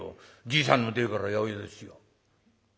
じいさんの代から八百屋ですよ」。